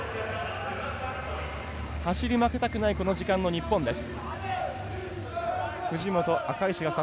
走り負けたくないこの時間の日本です。